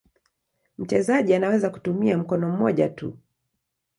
Mchezaji anaweza kutumia mkono mmoja tu.